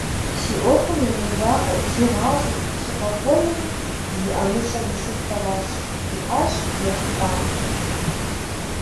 Си ӏуэхум имызакъуэу, си гъащӏэри, си къэкӏуэнури зи ӏэмыщӏэ илъыр фэращ, - жиӏащ ягъэкъуаншэм.